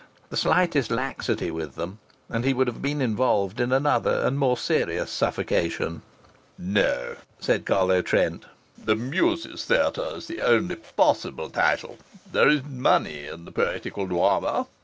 The slightest laxity with them and he would have been involved in another and more serious suffocation. "No," said Carlo Trent, "'The Muses' Theatre' is the only possible title. There is money in the poetical drama."